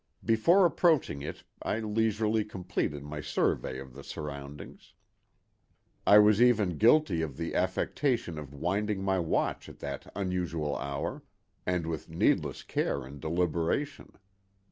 Before approaching it I leisurely completed my survey of the surroundings. I was even guilty of the affectation of winding my watch at that unusual hour, and with needless care and deliberation.